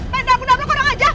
menabung nabung orang aja